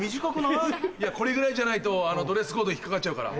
いやこれぐらいじゃないとドレスコード引っかかっちゃうから。